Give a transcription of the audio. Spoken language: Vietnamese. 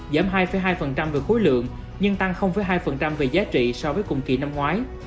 giảm hai hai về khối lượng nhưng tăng hai về giá trị so với cùng kỳ năm ngoái